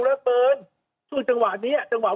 แล้วก็ฟังจากที่กระทรวงต่าง